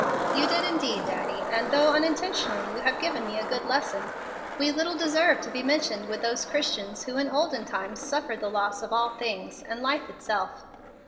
"You did indeed, Daddy, and, though unintentionally, you have given me a good lesson. We little deserve to be mentioned with those Christians who in olden times suffered the loss of all things, and life itself."